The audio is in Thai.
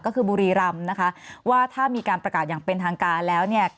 ก็คือบุรีรำนะคะว่าถ้ามีการประกาศอย่างเป็นทางการแล้วเนี่ย